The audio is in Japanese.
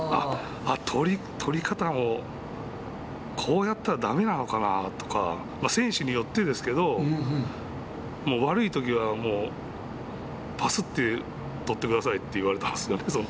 あっ、捕り方もこうやったらだめなのかなとか選手によってですけど悪いときはもうパスって捕ってくださいって言われたんですよね